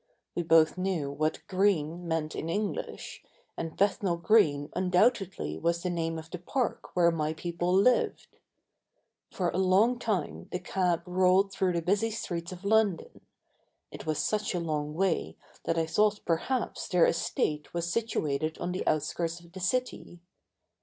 We both knew what "Green" meant in English, and Bethnal Green undoubtedly was the name of the park where my people lived. For a long time the cab rolled through the busy streets of London. It was such a long way that I thought perhaps their estate was situated on the outskirts of the city.